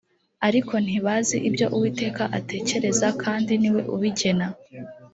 ariko ntibazi ibyo uwiteka atekereza kandi ni we ubigena